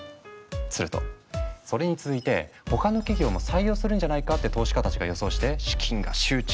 するとそれに続いて他の企業も採用するんじゃないかって投資家たちが予想して資金が集中。